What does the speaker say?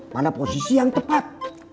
pada posisi yang tepat